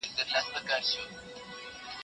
که مینه نه وي څېړنه به پوره نه سي.